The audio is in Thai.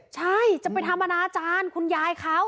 ใช่จะไปทำอนาจารย์คุณยายเขา